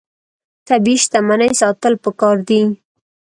طبیعي شتمنۍ ساتل پکار دي.